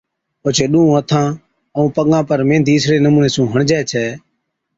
اوڇي ڏُونھُون ھٿان ائُون پگان پر ميھندِي اِسڙي نمُوني سُون ھَڻجي ڇَي